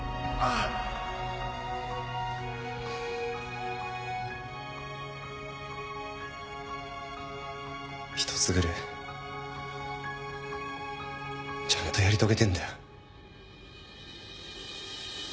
あっ一つぐれえちゃんとやり遂げてえんだよ。